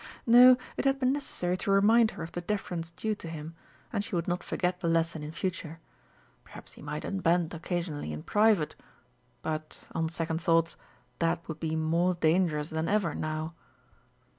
No, it had been necessary to remind her of the deference due to him, and she would not forget the lesson in future. Perhaps he might unbend occasionally in private, but, on second thoughts, that would be more dangerous than ever now.